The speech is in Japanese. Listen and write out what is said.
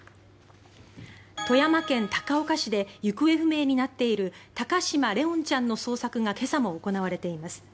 富山県高岡市で行方不明になっている高嶋怜音ちゃんの捜索が今朝も行われています。